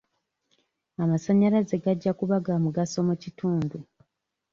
Amasannyalaze gajja kuba ga mugaso mu kitundu.